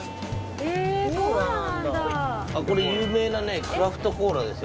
有名なクラフトコーラです